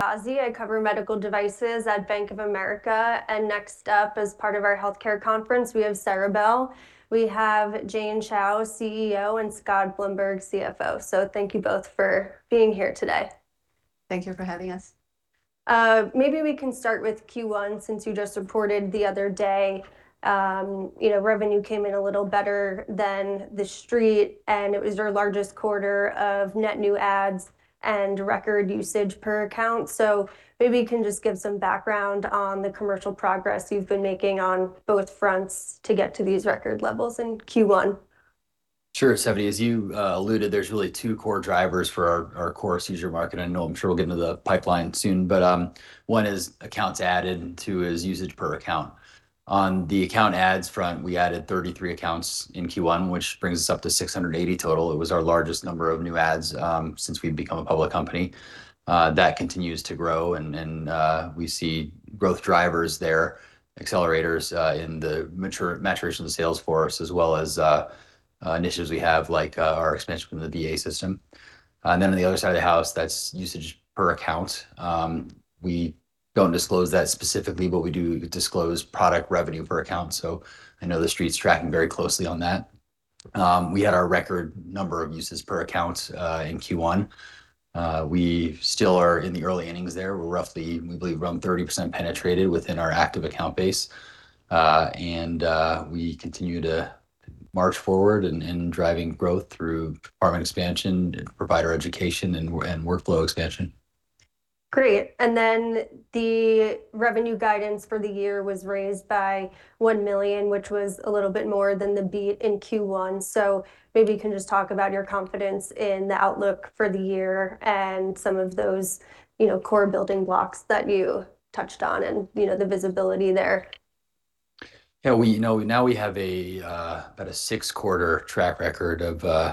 I cover medical devices at Bank of America. Next up as part of our healthcare conference we have Ceribell. We have Jane Chao, CEO, and Scott Blumberg, CFO. Thank you both for being here today. Thank you for having us. Maybe we can start with Q1 since you just reported the other day, you know, revenue came in a little better than the street, and it was your largest quarter of net new adds and record usage per account. Maybe you can just give some background on the commercial progress you've been making on both fronts to get to these record levels in Q1. Sure, Stephanie. As you alluded, there's really two core drivers for our core seizure market. I know I'm sure we'll get into the pipeline soon, but 1 is accounts added, 2 is usage per account. On the account adds front, we added 33 accounts in Q1, which brings us up to 680 total. It was our largest number of new adds since we've become a public company. That continues to grow and we see growth drivers there, accelerators, in the maturation of the sales force, as well as initiatives we have like our expansion into the VA system. On the other side of the house, that's usage per account. We don't disclose that specifically, but we do disclose product revenue per account, so I know the street's tracking very closely on that. We had our record number of uses per account in Q1. We still are in the early innings there. We're roughly, we believe, around 30% penetrated within our active account base. We continue to march forward in driving growth through department expansion, provider education, and workflow expansion. Great. The revenue guidance for the year was raised by $1 million, which was a little bit more than the beat in Q1. Maybe you can just talk about your confidence in the outlook for the year and some of those, you know, core building blocks that you touched on and, you know, the visibility there. Yeah, we, you know, now we have about a six quarter track record of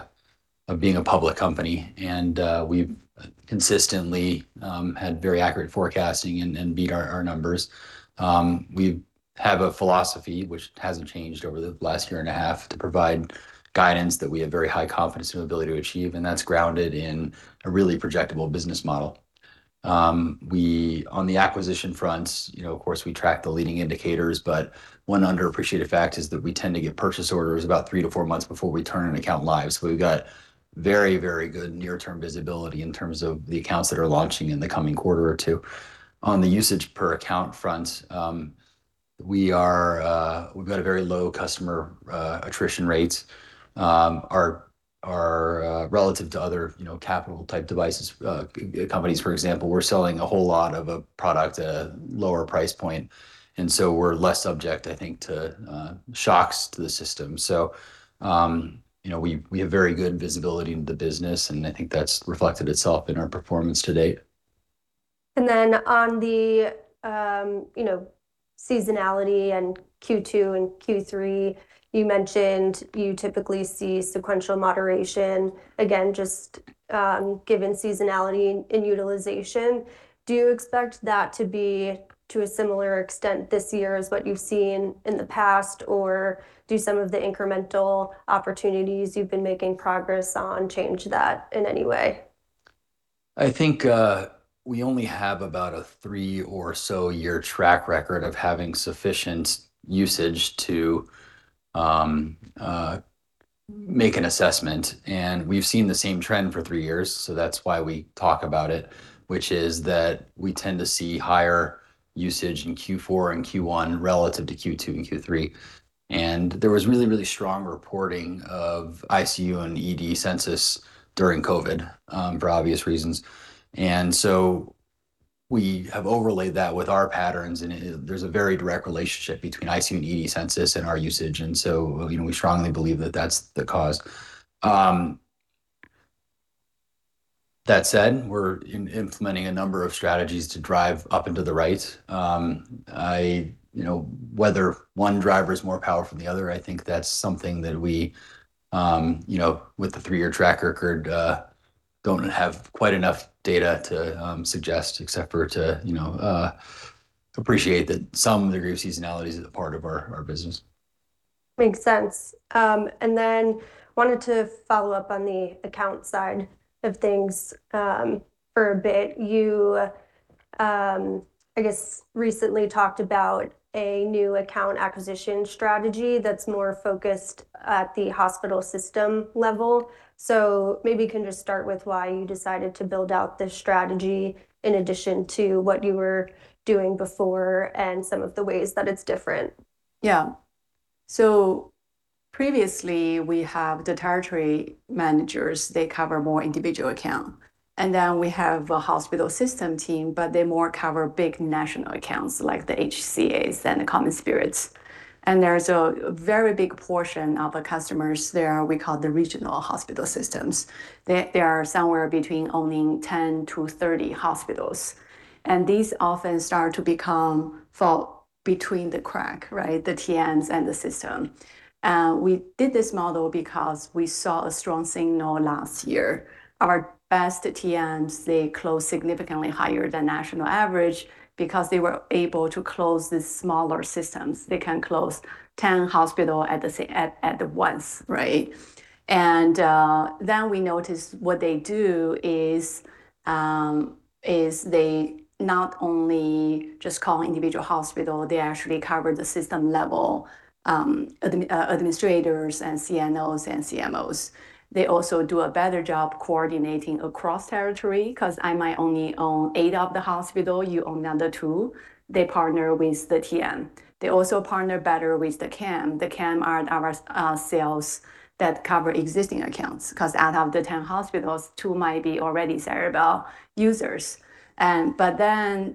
being a public company and we've consistently had very accurate forecasting and beat our numbers. We have a philosophy, which hasn't changed over the last year and a half, to provide guidance that we have very high confidence in ability to achieve, and that's grounded in a really projectable business model. We, on the acquisition front, you know, of course, we track the leading indicators, but one underappreciated fact is that we tend to get purchase orders about three to four months before we turn an account live. We've got very, very good near-term visibility in terms of the accounts that are launching in the coming quarter or two. On the usage per account front, we've got a very low customer attrition rates. Our relative to other, you know, capital type devices, companies for example, we're selling a whole lot of a product at a lower price point, and so we're less subject, I think, to shocks to the system. You know, we have very good visibility into the business and I think that's reflected itself in our performance to date. On the, you know, seasonality and Q2 and Q3, you mentioned you typically see sequential moderation, again, just given seasonality in utilization. Do you expect that to be to a similar extent this year as what you've seen in the past, or do some of the incremental opportunities you've been making progress on change that in any way? I think, we only have about a three or so year track record of having sufficient usage to make an assessment, and we've seen the same trend for three years, that's why we talk about it, which is that we tend to see higher usage in Q4 and Q1 relative to Q2 and Q3. There was really strong reporting of ICU and ED census during COVID, for obvious reasons. We have overlaid that with our patterns and it, there's a very direct relationship between ICU and ED census and our usage, you know, we strongly believe that that's the cause. That said, we're implementing a number of strategies to drive up into the right. I, you know, whether one driver is more powerful than the other, I think that's something that we, you know, with the three-year track record, don't have quite enough data to suggest except for to, you know, appreciate that some degree of seasonality is a part of our business. Makes sense. Wanted to follow up on the account side of things, for a bit. You, I guess, recently talked about a new account acquisition strategy that's more focused at the hospital system level. Maybe you can just start with why you decided to build out this strategy in addition to what you were doing before and some of the ways that it's different. Yeah. Previously we have the territory managers, they cover more individual accounts. We have a hospital system team, but they more cover big national accounts, like the HCAs and the CommonSpirit. There's a very big portion of the customers there we call the regional hospital systems. They are somewhere between owning 10 to 30 hospitals, and these often start to become Between the crack, right? The TMs and the system. We did this model because we saw a strong signal last year. Our best TMs, they closed significantly higher than national average because they were able to close the smaller systems. They can close 10 hospitals at once, right? We noticed what they do is they not only just call individual hospital, they actually cover the system level administrators and CNOs and CMOs. They also do a better job coordinating across territory, 'cause I might only own eight of the hospital, you own another two, they partner with the TM. They also partner better with the CAM. The CAM are our sales that cover existing accounts, 'cause out of the 10 hospitals, two might be already Ceribell users.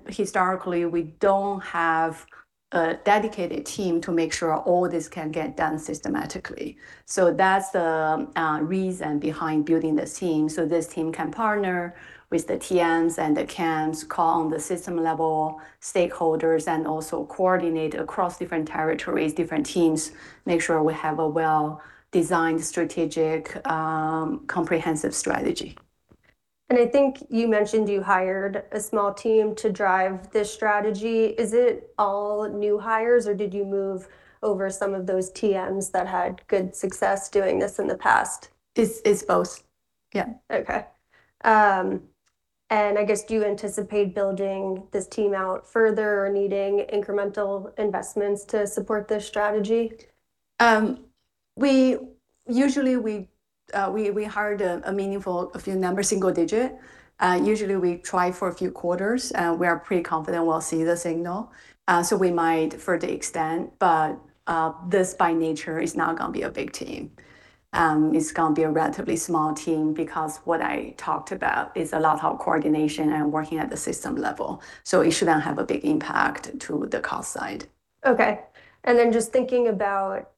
Historically we don't have a dedicated team to make sure all this can get done systematically. That's the reason behind building this team, so this team can partner with the TMs and the CAMs, call on the system level stakeholders, and also coordinate across different territories, different teams, make sure we have a well-designed strategic, comprehensive strategy. I think you mentioned you hired a small team to drive this strategy. Is it all new hires or did you move over some of those TMs that had good success doing this in the past? It's both. Yeah. Okay. I guess do you anticipate building this team out further or needing incremental investments to support this strategy? We usually we hired a meaningful, a few number, single digit. Usually we try for a few quarters, we are pretty confident we'll see the signal. We might further extend, but this by nature is not going to be a big team. It's going to be a relatively small team because what I talked about is a lot of coordination and working at the system level. It shouldn't have a big impact to the cost side. Okay. Just thinking about,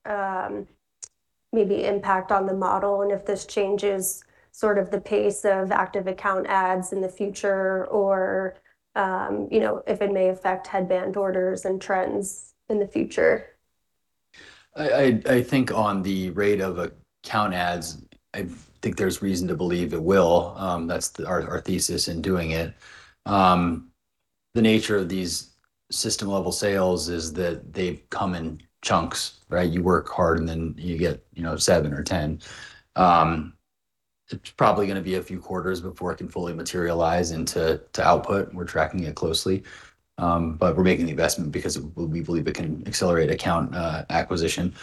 maybe impact on the model and if this changes sort of the pace of active account adds in the future or, you know, if it may affect Headband orders and trends in the future. I think on the rate of account adds, I think there's reason to believe it will. That's our thesis in doing it. The nature of these system level sales is that they come in chunks, right? You work hard and then you get, you know, seven or 10. It's probably gonna be a few quarters before it can fully materialize into output. We're tracking it closely. But we're making the investment because we believe it can accelerate account acquisition.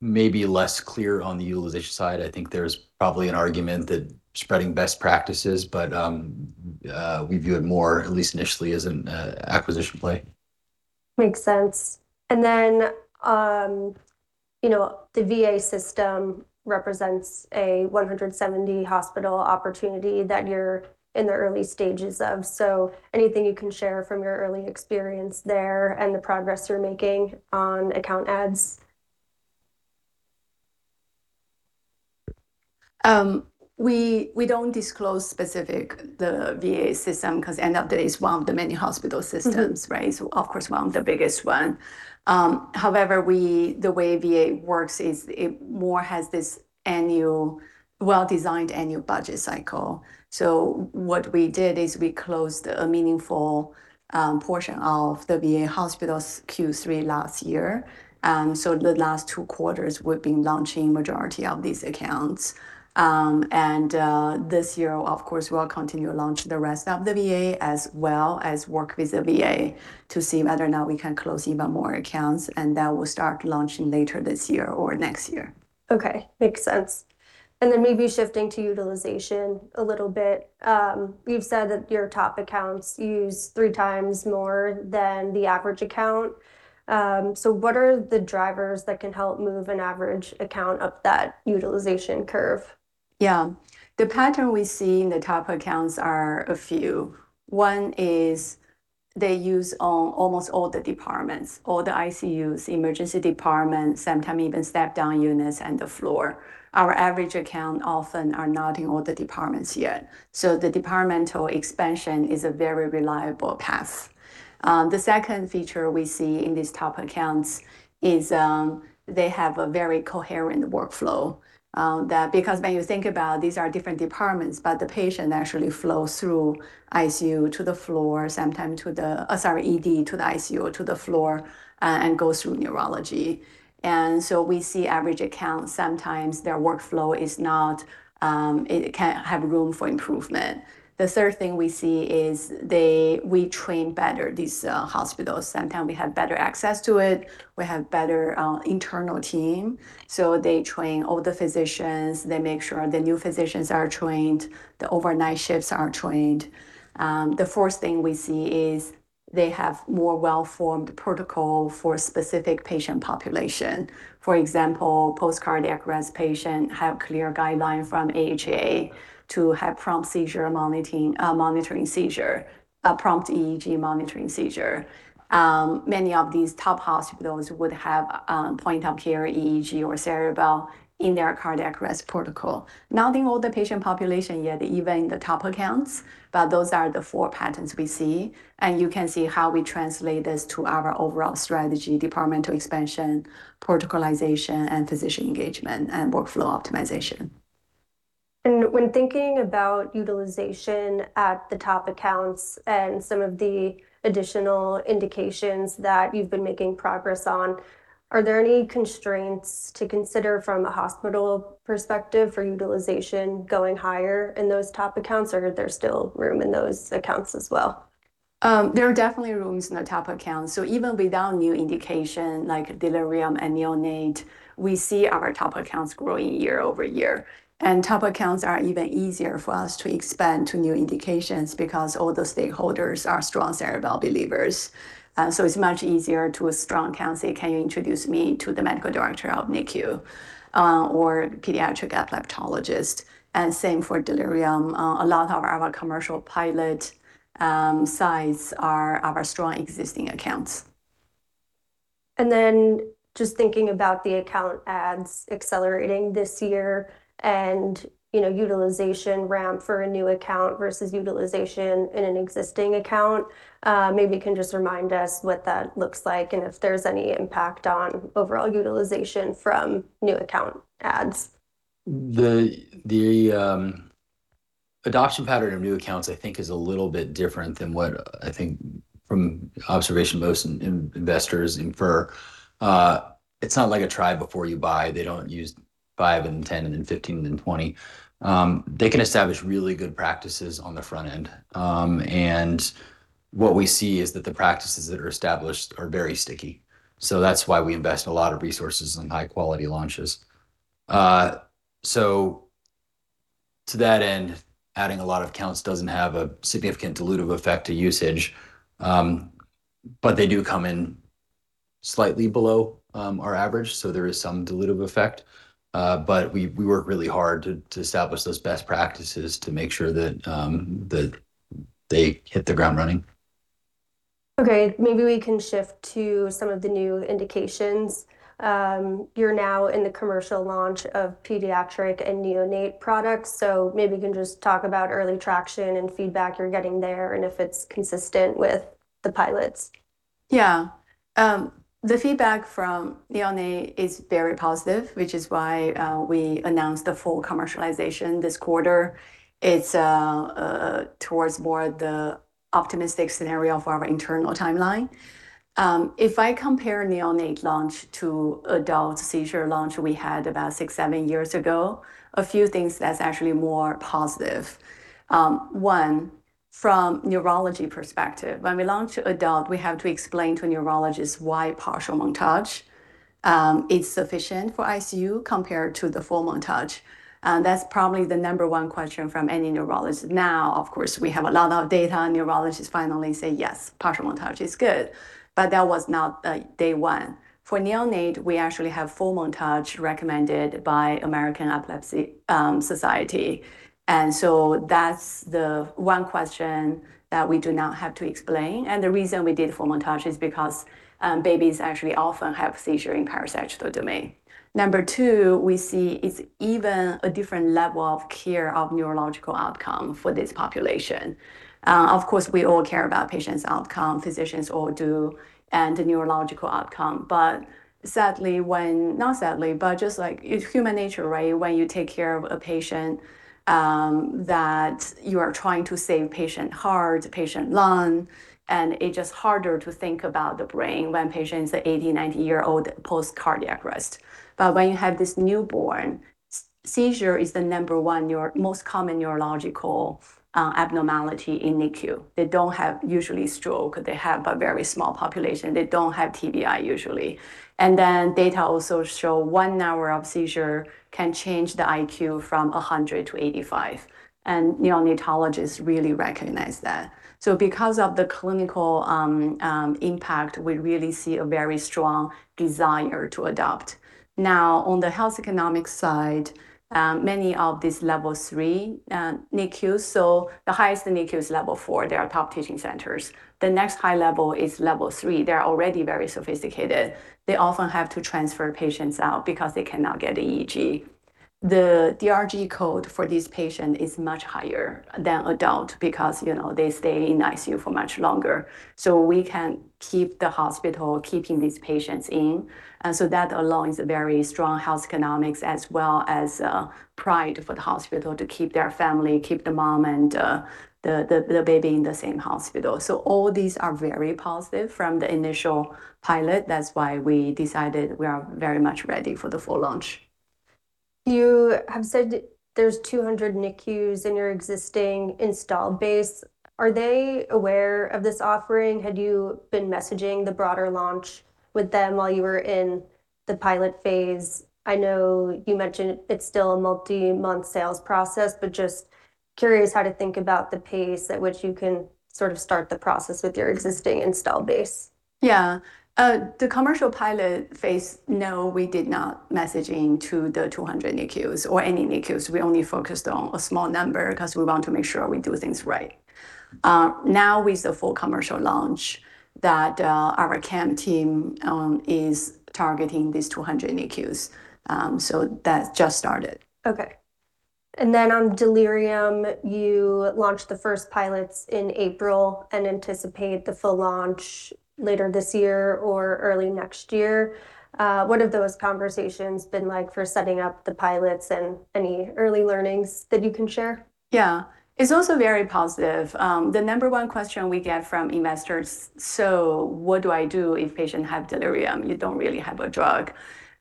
Maybe less clear on the utilization side. I think there's probably an argument that spreading best practices, but we view it more at least initially as an acquisition play. Makes sense. You know, the VA system represents a 170 hospital opportunity that you're in the early stages of. Anything you can share from your early experience there and the progress you're making on account adds? We don't disclose specific the VA system, because end of the day it's one of the many hospital systems. Right? Of course one of the biggest one. However, the way VA works is it more has this annual, well-designed annual budget cycle. What we did is we closed a meaningful portion of the VA hospitals Q3 last year. The last Q2s we've been launching majority of these accounts. This year of course we'll continue to launch the rest of the VA as well as work with the VA to see whether or not we can close even more accounts and that will start launching later this year or next year. Okay. Makes sense. Maybe shifting to utilization a little bit, you've said that your top accounts use three times more than the average account. What are the drivers that can help move an average account up that utilization curve? Yeah. The pattern we see in the top accounts are a few. One is they use on almost all the departments, all the ICUs, emergency departments, sometime even step-down units and the floor. Our average account often are not in all the departments yet. The departmental expansion is a very reliable path. The second feature we see in these top accounts is they have a very coherent workflow that because when you think about these are different departments, but the patient actually flows through ICU to the floor, sometime to the, sorry, ED to the ICU or to the floor and goes through neurology. We see average accounts sometimes their workflow is not, it can have room for improvement. The third thing we see is we train better these hospitals. Sometime we have better access to it. We have better internal team. They train all the physicians. They make sure the new physicians are trained, the overnight shifts are trained. The fourth thing we see is they have more well-formed protocol for specific patient population. For example, post cardiac arrest patient have clear guideline from AHA to have prompt seizure monitoring seizure, prompt EEG monitoring seizure. Many of these top hospitals would have point of care EEG or Ceribell in their cardiac arrest protocol. Not in all the patient population yet, even in the top accounts, but those are the four patterns we see. You can see how we translate this to our overall strategy, departmental expansion, protocolization, and physician engagement, and workflow optimization. When thinking about utilization at the top accounts and some of the additional indications that you've been making progress on, are there any constraints to consider from a hospital perspective for utilization going higher in those top accounts, or is there still room in those accounts as well? There are definitely rooms in the top accounts. Even without new indication like delirium and neonate, we see our top accounts growing year-over-year. Top accounts are even easier for us to expand to new indications because all the stakeholders are strong Ceribell believers. It's much easier to a strong account say, "Can you introduce me to the medical director of NICU or pediatric epileptologist?" Same for delirium. A lot of our commercial pilot size are our strong existing accounts. Just thinking about the account adds accelerating this year and, you know, utilization ramp for a new account versus utilization in an existing account, maybe you can just remind us what that looks like and if there's any impact on overall utilization from new account adds? The adoption pattern of new accounts I think is a little bit different than what I think from observation most investors infer. It's not like a try before you buy. They don't use 5 and 10 and then 15 and then 20. They can establish really good practices on the front end. And what we see is that the practices that are established are very sticky. That's why we invest a lot of resources in high quality launches. To that end, adding a lot of accounts doesn't have a significant dilutive effect to usage. They do come in slightly below our average, so there is some dilutive effect. We work really hard to establish those best practices to make sure that they hit the ground running. Okay. Maybe we can shift to some of the new indications. You're now in the commercial launch of pediatric and neonate products, maybe you can just talk about early traction and feedback you're getting there and if it's consistent with the pilots. Yeah. The feedback from neonate is very positive which is why we announced the full commercialization this quarter. It's towards more the optimistic scenario for our internal timeline. If I compare neonate launch to adult seizure launch we had about six, seven years ago, a few things that's actually more positive. One, from neurology perspective, when we launch adult we have to explain to neurologists why partial montage is sufficient for ICU compared to the full montage. That's probably the number one question from any neurologist. Now of course, we have a lot of data and neurologist finally say, "Yes, partial montage is good." That was not day one. For neonate we actually have full montage recommended by American Epilepsy Society. That's the 1 question that we do not have to explain. The reason we did full montage is because babies actually often have seizure in parasagittal domain. Number two, we see it's even a different level of care of neurological outcome for this population. Of course, we all care about patient's outcome, physicians all do, and the neurological outcome. Not sadly, but just like it's human nature, right? When you take care of a patient, that you are trying to save patient heart, patient lung, and it's just harder to think about the brain when patient's a 80, 90-year-old post cardiac arrest. When you have this newborn, seizure is the number 1 most common neurological abnormality in NICU. They don't have usually stroke. They have a very small population. They don't have TBI usually. Data also show 1 hour of seizure can change the IQ from 100 to 85, and neonatologists really recognize that. Because of the clinical impact, we really see a very strong desire to adopt. On the health economic side, many of these level 3 NICUs. The highest NICU is level 4. They are top teaching centers. The next high level is level 3. They're already very sophisticated. They often have to transfer patients out because they cannot get EEG. The DRG code for this patient is much higher than adult because, you know, they stay in ICU for much longer. We can keep the hospital keeping these patients in, that allows a very strong health economics as well as pride for the hospital to keep their family, keep the mom and the baby in the same hospital. All these are very positive from the initial pilot. That's why we decided we are very much ready for the full launch. You have said there's 200 NICUs in your existing installed base. Are they aware of this offering? Had you been messaging the broader launch with them while you were in the pilot phase? I know you mentioned it's still a multi-month sales process, but just curious how to think about the pace at which you can sort of start the process with your existing install base? Yeah. The commercial pilot phase, no, we did not message into the 200 NICUs or any NICUs. We only focused on a small number because we want to make sure we do things right. Now with the full commercial launch that our CAM team is targeting these 200 NICUs. That just started. Okay. On delirium, you launched the first pilots in April and anticipate the full launch later this year or early next year. What have those conversations been like for setting up the pilots and any early learnings that you can share? Yeah. It's also very positive. The number one question we get from investors, "What do I do if patient have delirium?" You don't really have a drug.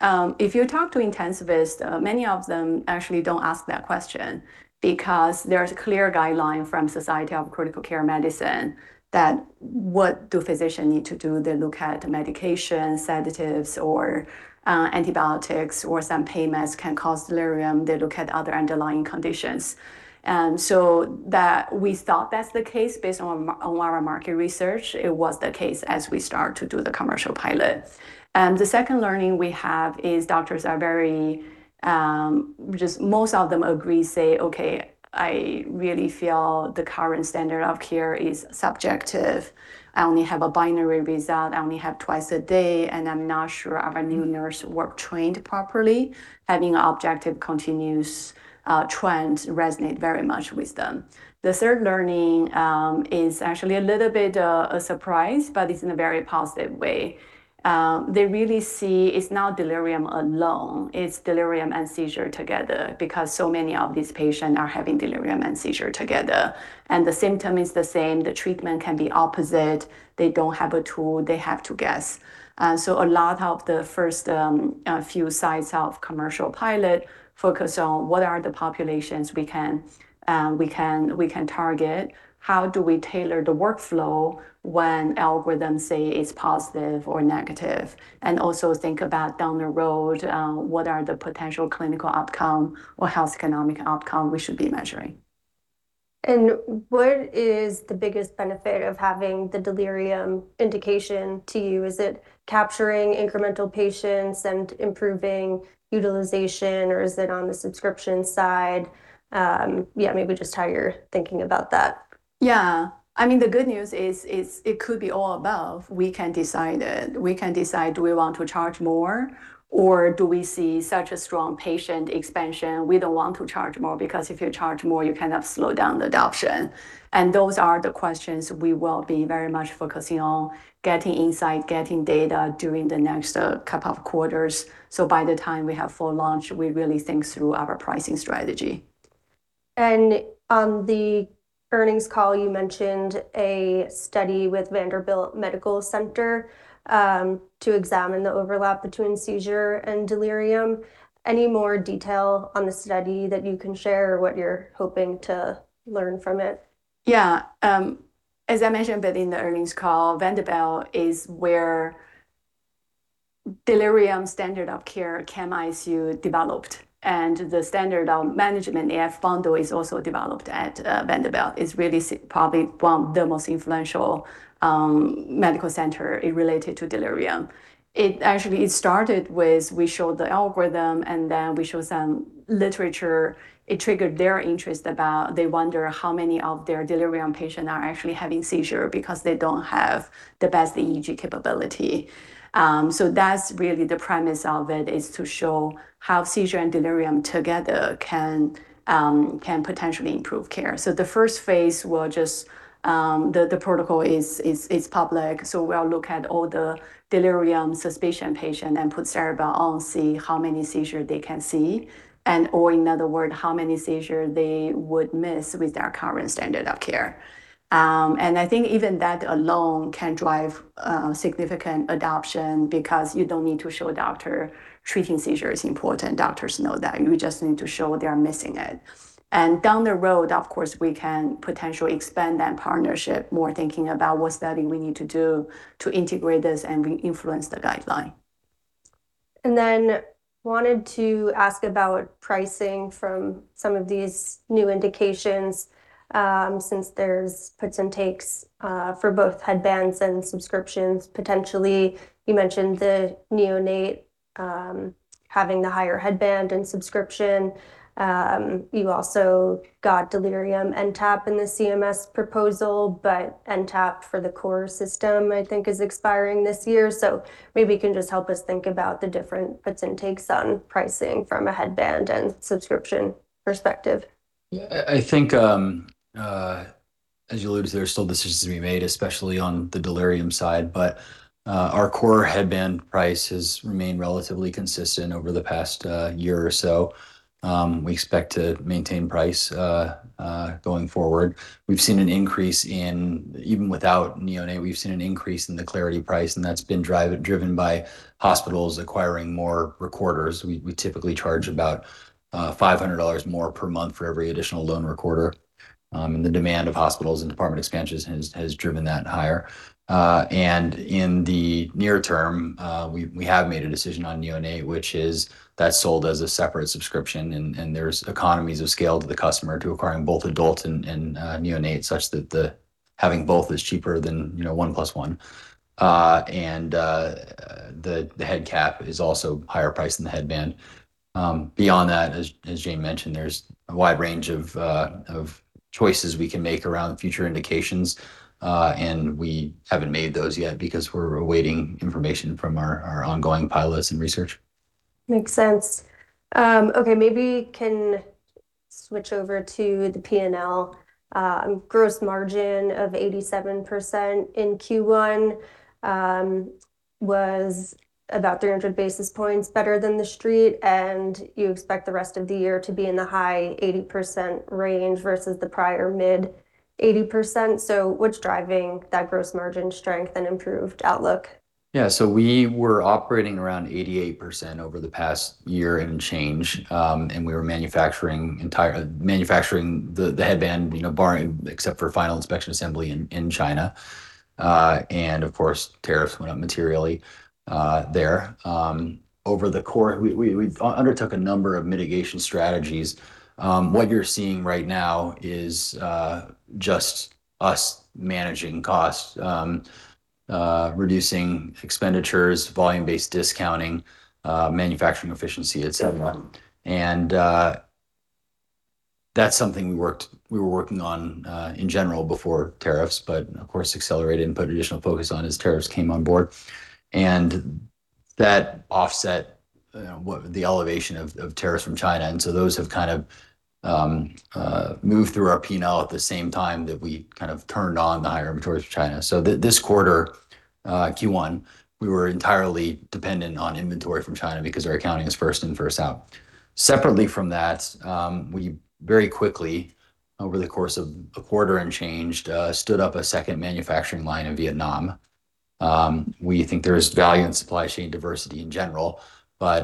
If you talk to intensivists, many of them actually don't ask that question because there is a clear guideline from Society of Critical Care Medicine that what do physician need to do. They look at medication, sedatives or, antibiotics or some pain meds can cause delirium. They look at other underlying conditions. That we thought that's the case based on our market research. It was the case as we start to do the commercial pilot. The second learning we have is doctors are very, just most of them agree, say, "Okay, I really feel the current standard of care is subjective. I only have a binary result. I only have twice a day, and I'm not sure our new nurse were trained properly. Having objective continuous trends resonate very much with them. The third learning is actually a little bit a surprise, but it's in a very positive way. They really see it's not delirium alone, it's delirium and seizure together because so many of these patient are having delirium and seizure together, and the symptom is the same. The treatment can be opposite. They don't have a tool. They have to guess. A lot of the first few sites of commercial pilot focus on what are the populations we can target. How do we tailor the workflow when algorithm say it's positive or negative? Also think about down the road, what are the potential clinical outcome or health economic outcome we should be measuring? What is the biggest benefit of having the delirium indication to you? Is it capturing incremental patients and improving utilization, or is it on the subscription side? Yeah, maybe just how you're thinking about that. Yeah. I mean, the good news is it could be all above. We can decide, we can decide do we want to charge more or do we see such a strong patient expansion we don't want to charge more because if you charge more, you kind of slow down the adoption. Those are the questions we will be very much focusing on, getting insight, getting data during the next couple of quarters, so by the time we have full launch, we really think through our pricing strategy. On the earnings call, you mentioned a study with Vanderbilt Medical Center to examine the overlap between seizure and delirium. Any more detail on the study that you can share or what you're hoping to learn from it? As I mentioned a bit in the earnings call, Vanderbilt is where delirium standard of care CAM-ICU developed. The standard management, ABCDEF bundle, is also developed at Vanderbilt. It's really probably one of the most influential medical center related to delirium. Actually, it started with we showed the algorithm. We showed some literature. It triggered their interest about they wonder how many of their delirium patient are actually having seizure because they don't have the best EEG capability. That's really the premise of it is to show how seizure and delirium together can potentially improve care. The first phase will just, the protocol is public, we'll look at all the delirium suspicion patient and put Ceribell on, see how many seizure they can see and or in other word, how many seizure they would miss with their current standard of care. I think even that alone can drive significant adoption because you don't need to show doctor treating seizure is important. Doctors know that. You just need to show they are missing it. Down the road, of course, we can potentially expand that partnership, more thinking about what study we need to do to integrate this and re-influence the guideline. Then wanted to ask about pricing from some of these new indications, since there's puts and takes for both Headbands and subscriptions potentially. You mentioned the neonate, having the higher Headband and subscription. You also got delirium NTAP in the CMS proposal, but NTAP for the core system I think is expiring this year. Maybe you can just help us think about the different puts and takes on pricing from a Headband and subscription perspective. As you alluded to, there are still decisions to be made, especially on the delirium side. Our core Headband price has remained relatively consistent over the past year or so. We expect to maintain price going forward. Even without neonate, we've seen an increase in the Clarity price, and that's been driven by hospitals acquiring more recorders. We typically charge about $500 more per month for every additional loan recorder. The demand of hospitals and department expansions has driven that higher. In the near term, we have made a decision on neonate, which is that's sold as a separate subscription and there's economies of scale to the customer to acquiring both adult and neonate such that the having both is cheaper than, you know, 1+1. The Headcap is also higher priced than the Headband. Beyond that, as Jane mentioned, there's a wide range of choices we can make around future indications. We haven't made those yet because we're awaiting information from our ongoing pilots and research. Makes sense. Okay, maybe can switch over to the P&L. Gross margin of 87% in Q1, was about 300 basis points better than the street, and you expect the rest of the year to be in the high 80% range versus the prior mid 80%. What's driving that gross margin strength and improved outlook? We were operating around 88% over the past year and change, and we were manufacturing the Headband, you know, except for final inspection assembly in China. Of course, tariffs went up materially there. Over the quarter, we undertook a number of mitigation strategies. What you're seeing right now is just us managing costs, reducing expenditures, volume-based discounting, manufacturing efficiency, et cetera. That's something we were working on in general before tariffs, but of course accelerated and put additional focus on as tariffs came on board. That offset the elevation of tariffs from China. Those have kind of moved through our P&L at the same time that we kind of turned on the higher inventories from China. This quarter, Q1, we were entirely dependent on inventory from China because our accounting is first in, first out. Separately from that, we very quickly, over the course of a quarter and changed, stood up a second manufacturing line in Vietnam. We think there's value in supply chain diversity in general, but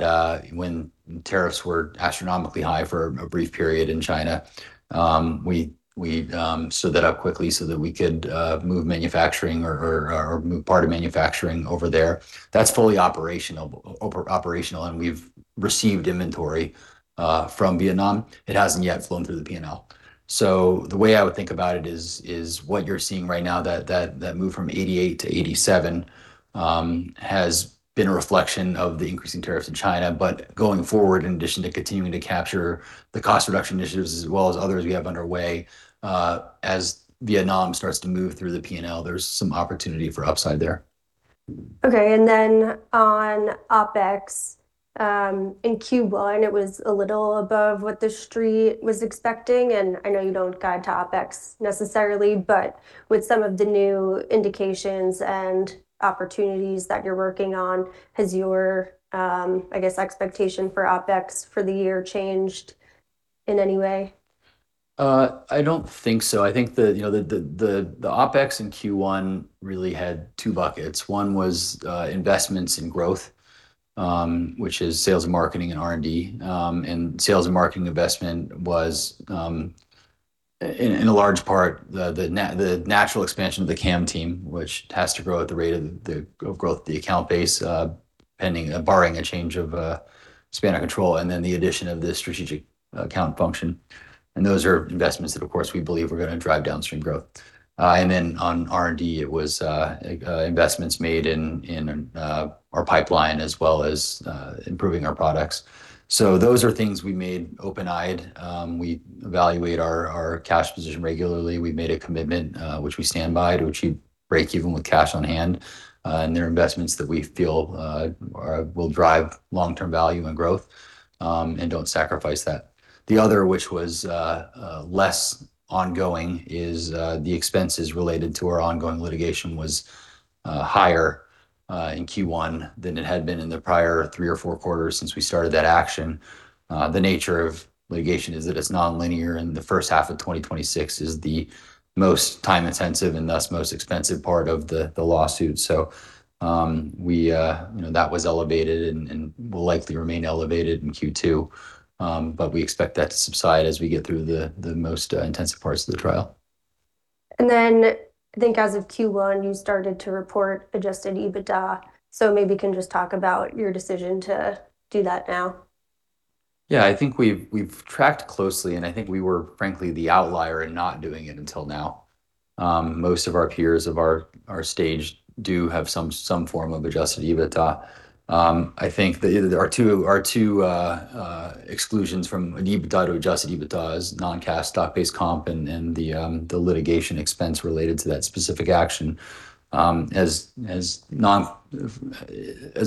when tariffs were astronomically high for a brief period in China, we stood that up quickly so that we could move manufacturing or move part of manufacturing over there. That's fully operational, and we've received inventory from Vietnam. It hasn't yet flown through the P&L. The way I would think about it is what you're seeing right now, that move from 88 to 87, has been a reflection of the increasing tariffs in China. Going forward, in addition to continuing to capture the cost reduction initiatives as well as others we have underway, as NTAP starts to move through the P&L, there's some opportunity for upside there. Okay. On OpEx, in Q1, it was a little above what the street was expecting, and I know you don't guide to OpEx necessarily, but with some of the new indications and opportunities that you're working on, has your, I guess, expectation for OpEx for the year changed in any way? I don't think so. I think, you know, the OpEx in Q1 really had two buckets. One was investments in growth, which is sales and marketing and R&D. Sales and marketing investment was in a large part the natural expansion of the CAM team, which has to grow at the rate of growth, the account base, barring a change of span of control, and then the addition of the strategic account function. Those are investments that, of course, we believe are gonna drive downstream growth. Then on R&D, it was investments made in our pipeline as well as improving our products. Those are things we made open-eyed. We evaluate our cash position regularly. We made a commitment, which we stand by to achieve breakeven with cash on hand. They're investments that we feel will drive long-term value and growth, and don't sacrifice that. The other, which was less ongoing, is the expenses related to our ongoing litigation was higher in Q1 than it had been in the prior Q3, Q4s since we started that action. The nature of litigation is that it's nonlinear, and the first half of 2026 is the most time intensive and thus most expensive part of the lawsuit. We, you know, that was elevated and will likely remain elevated in Q2. We expect that to subside as we get through the most intensive parts of the trial. I think as of Q1, you started to report adjusted EBITDA, so maybe you can just talk about your decision to do that now. Yeah. I think we've tracked closely, I think we were frankly the outlier in not doing it until now. Most of our peers of our stage do have some form of adjusted EBITDA. I think that our two exclusions from an EBITDA to adjusted EBITDA is non-cash stock-based comp and the litigation expense related to that specific action. As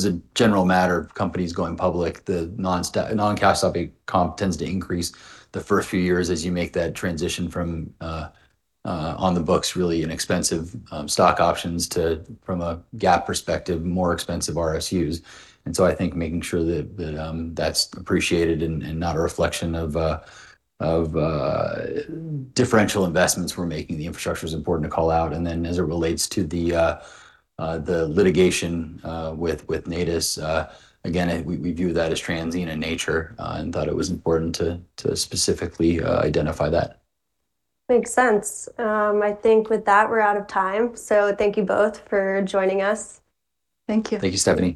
a general matter of companies going public, the non-cash stock-based comp tends to increase the first few years as you make that transition from on the books really inexpensive stock options to, from a GAAP perspective, more expensive RSUs. I think making sure that that's appreciated and not a reflection of differential investments we're making, the infrastructure is important to call out. As it relates to the litigation with Natus, again, we view that as transient in nature, and thought it was important to specifically identify that. Makes sense. I think with that, we're out of time. Thank you both for joining us. Thank you. Thank you, Stephanie.